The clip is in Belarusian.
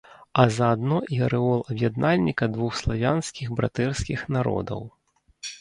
А заадно і арэол аб'яднальніка двух славянскіх братэрскіх народаў.